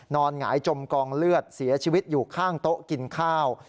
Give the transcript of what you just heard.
หงายจมกองเลือดเสียชีวิตอยู่ข้างโต๊ะกินข้าว